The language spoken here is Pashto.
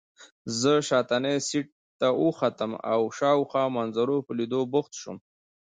زه شاتني سېټ ته واوښتم او د شاوخوا منظرو په لیدو بوخت شوم.